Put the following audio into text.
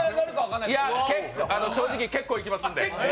正直、結構いきますんで。